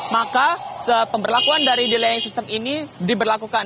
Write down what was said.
maka pemberlakuan dari delaying system ini diberlakukan